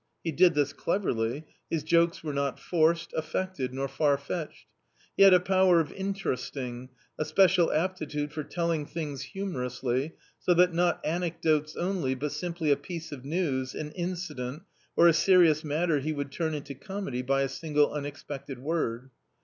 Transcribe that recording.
He did this cleverly; his jokes were not forced, affected, nor far fetched; he had a power of interesting, a special aptitude for telling things humorously, so that not anecdotes only, but simply a piece of new?, an incident, or a serious matter he would turn into comedy by a single unexpected word.